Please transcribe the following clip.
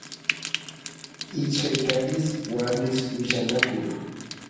ishkay qaris warmis willanakuy